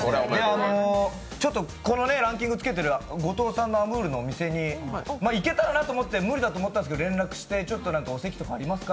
このランキングつけてる後藤さんのＡＭＯＵＲのお店に行けたらなと思って無理だと思ったんですけどちょっとお席とかありますか？